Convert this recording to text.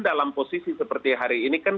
dalam posisi seperti hari ini kan